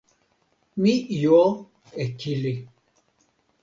mi jo e kili.